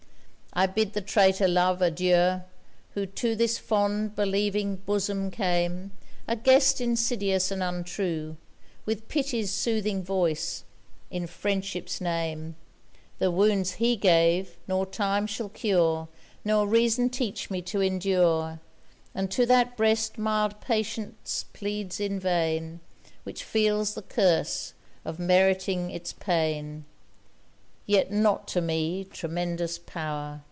I bid the traitor Love, adieu! Who to this fond, believing bosom came, A guest insidious and untrue, With Pity's soothing voice in Friendship's name; The wounds he gave, nor Time shall cure, Nor Reason teach me to endure. And to that breast mild Patience pleads in vain, Which feels the curse of meriting it's pain. Yet not to me, tremendous power!